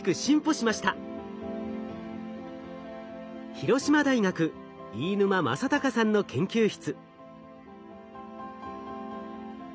広島大学飯沼昌隆さんの研究室。